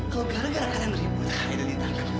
kalau gara gara kalian ribut kalian ditarik